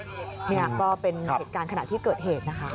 นี่ก็เป็นเหตุการณ์ขณะที่เกิดเหตุนะคะ